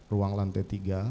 ruang lantai tiga